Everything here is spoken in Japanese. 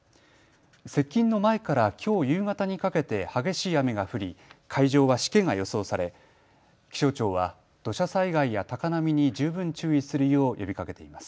接近の前からきょう夕方にかけて激しい雨が降り海上はしけが予想され気象庁は土砂災害や高波に十分注意するよう呼びかけています。